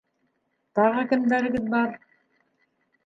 — Тағы кемдәрегеҙ бар?